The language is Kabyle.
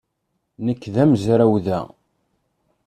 Nekk d amezraw da.